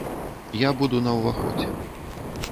Я буду на ўваходзе.